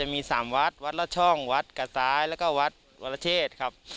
มี๓วัดวัดละช่องวัดกระซ้ายแล้วก็วัดวรเชษครับ